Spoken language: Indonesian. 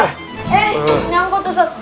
eh nyangkut ustadz